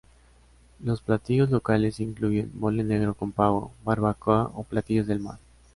Los platillos locales incluyen: mole negro con pavo, barbacoa o platillos del mar.